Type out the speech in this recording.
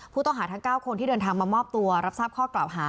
ผู้ต้องหาทั้ง๙คนที่เดินทางมามอบตัวรับทราบข้อกล่าวหา